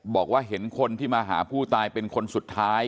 บอกว่าเห็นคนที่มาหาผู้ตายเป็นคนสุดท้าย